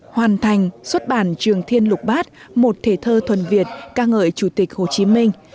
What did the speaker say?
hoàn thành xuất bản trường thiên lục bát một thể thơ thuần việt ca ngợi chủ tịch hồ chí minh